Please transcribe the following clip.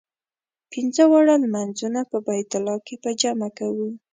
پنځه واړه لمونځونه په بیت الله کې په جمع کوو.